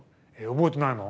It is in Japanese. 覚えてないの？